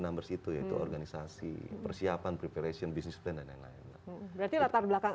numbers itu yaitu organisasi persiapan preparation business plan dan yang lain berarti latar belakang